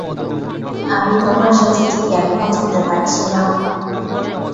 আমি তোমার সাথে ঠিক একমত হতে পারছি না।